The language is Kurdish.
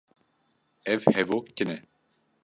Ev hevok kin e.